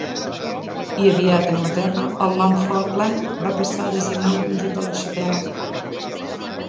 I, aviat, a Anglaterra, el nom Falkland va passar a designar el conjunt de l'arxipèlag.